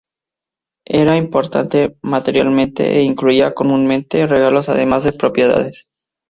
Era importante materialmente e incluía comúnmente regalos además de propiedades.